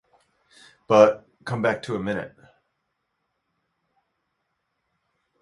But — to come back a minute.